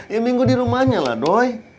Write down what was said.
ya minggu di rumahnya lah doy